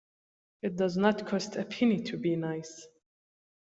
It doesn't cost a penny to be nice.